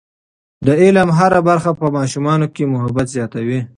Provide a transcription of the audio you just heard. د علم هره برخه په ماشومانو کې محبت زیاتوي.